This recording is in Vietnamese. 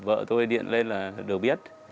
vợ tôi điện lên là được biết